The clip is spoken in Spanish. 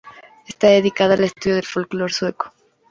Está dedicada al estudio del folclore sueco.